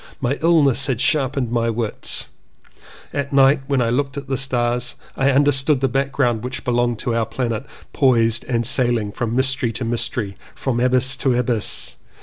My illness had sharpened my wits. At 238 LLEWELLYN POWYS night when I looked at the stars, I under stood the background which belonged to our planet, poised and sailing from mystery to mystery, from Abyss to Abyss.